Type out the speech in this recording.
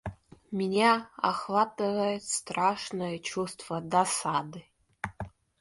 Меня охватывает страшное чувство досады.